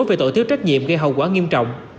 về tội thiếu trách nhiệm gây hậu quả nghiêm trọng